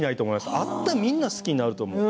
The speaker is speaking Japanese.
会ったらみんな好きになると思います。